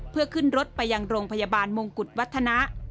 เพื่อขึ้นรถไปยังโรงพยาบาลมงกุฎวัฒนะ